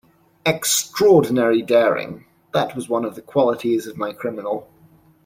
Extraordinary daring — that was one of the qualities of my criminal.